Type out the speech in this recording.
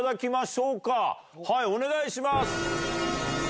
はいお願いします！